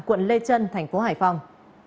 quận lê trân tp hải phòng